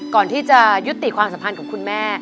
ก่อนที่จะยุติความสัมพันธ์กับคุณแม่